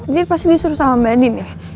dia pasti disuruh sama mbak din ya